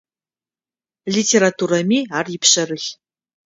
Литературэми ар ипшъэрылъ.